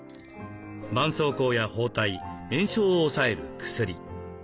ばんそうこうや包帯炎症を抑える薬。